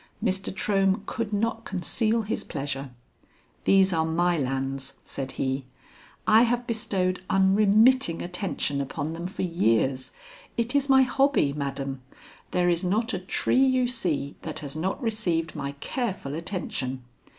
Mr. Trohm could not conceal his pleasure. "These are my lands," said he. "I have bestowed unremitting attention upon them for years. It is my hobby, madam. There is not a tree you see that has not received my careful attention.